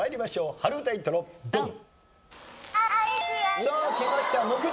春うたイントロドン！